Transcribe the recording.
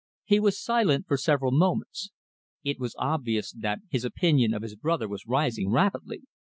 He was silent for several moments. It was obvious that his opinion of his brother was rising rapidly.